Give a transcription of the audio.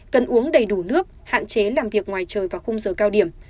cần uống đầy đủ nước hạn chế làm việc ngoài trời vào khung giờ cao điểm